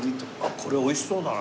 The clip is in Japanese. これ美味しそうだな。